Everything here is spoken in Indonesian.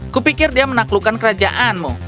kupikir dia menaklukkan kerajaanmu